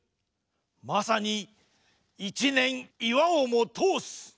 まさに一念岩をも通す！